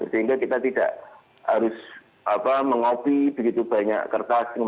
sehingga kita tidak harus mengopi begitu banyak kertas